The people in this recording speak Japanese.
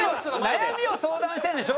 悩みを相談してるんでしょ？